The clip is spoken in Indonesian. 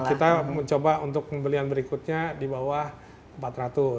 kita coba untuk pembelian berikutnya di bawah empat ratus dolar